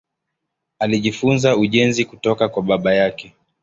Alijifunza ujenzi kutoka kwa baba yake.